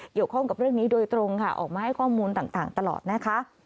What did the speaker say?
เกี่ยวข้องกับเรื่องนี้โดยตรงค่ะออกมาให้ข้อมูลต่างตลอดนะคะ